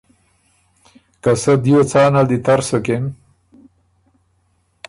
که سۀ دیو څانل دی تر سُکِن۔